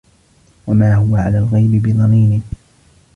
وَما هُوَ عَلَى الغَيبِ بِضَنينٍ